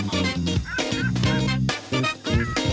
สวัสดีครับ